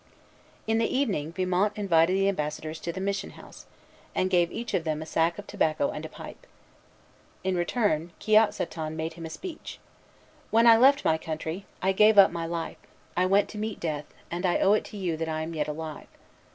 In the evening, Vimont invited the ambassadors to the mission house, and gave each of them a sack of tobacco and a pipe. In return, Kiotsaton made him a speech: "When I left my country, I gave up my life; I went to meet death, and I owe it to you that I am yet alive.